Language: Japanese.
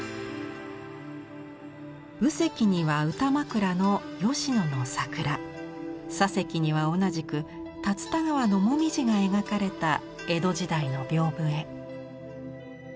右隻には歌枕の吉野の桜左隻には同じく龍田川の紅葉が描かれた江戸時代の屏風絵。